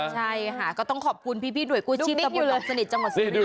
ใช่ค่ะก็ต้องขอบคุณพี่หน่วยกู้ชีพตำบลลงสนิทจังหวัดสุรินท